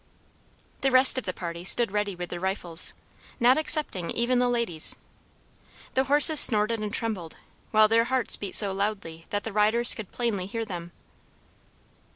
The rest of the party stood ready with their rifles, not excepting even the ladies. The horses snorted and trembled, while their hearts beat so loudly that the riders could plainly hear them.